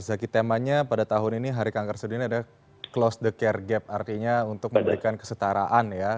zaki temanya pada tahun ini hari kanker seduni ada close the care gap artinya untuk memberikan kesetaraan ya